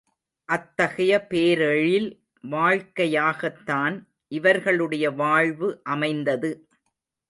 அத்தகைய பேரெழில் வாழ்க்கையாகத்தான் இவர்களுடைய வாழ்வு அமைந்தது.